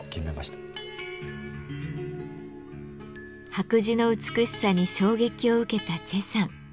白磁の美しさに衝撃を受けた崔さん。